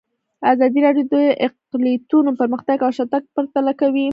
ازادي راډیو د اقلیتونه پرمختګ او شاتګ پرتله کړی.